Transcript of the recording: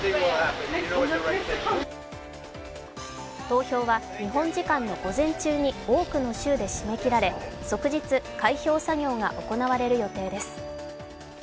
投票は日本時間の午前中に多くの州で締め切られ即日、開票作業が行われる予定です